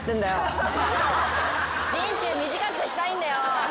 人中短くしたいんだよ。